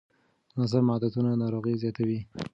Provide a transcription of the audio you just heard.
ناسم عادتونه ناروغۍ زیاتوي.